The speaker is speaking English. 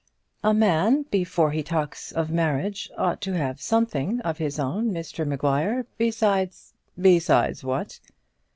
"A man before he talks of marriage ought to have something of his own, Mr Maguire, besides " "Besides what?"